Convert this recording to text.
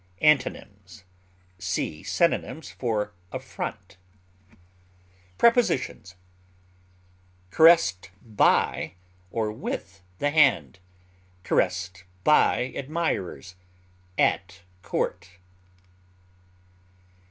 Antonyms: See synonyms for AFFRONT. Prepositions: Caressed by or with the hand; caressed by admirers, at court.